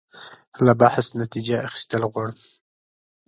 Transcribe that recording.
له بحث نتیجه اخیستل غواړم.